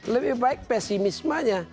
lebih baik pesimismenya